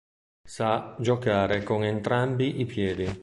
Sa giocare con entrambi i piedi.